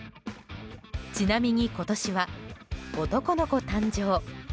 ちなみに、今年は男の子誕生。